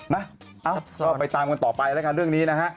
นะก็ไปตามกันต่อไปแล้วกันเรื่องนี้นะฮะ